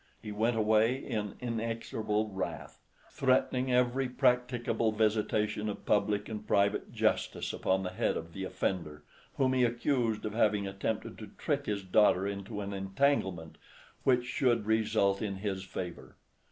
He went away in inexorable wrath; threatening every practicable visitation of public and private justice upon the head of the offender, whom he accused of having attempted to trick his daughter into an entanglement which should result in his favor.